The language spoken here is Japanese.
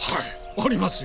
ありますよ。